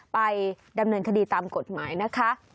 ไปดำเนินคดีตามกฎหมายนะคะ